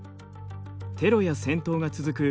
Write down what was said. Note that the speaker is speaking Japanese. テロや戦闘が続く